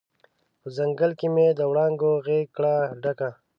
په ځنګل کې مې د وړانګو غیږ کړه ډکه